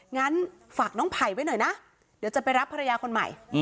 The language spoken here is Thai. งั้นฝากน้องไผ่ไว้หน่อยนะเดี๋ยวจะไปรับภรรยาคนใหม่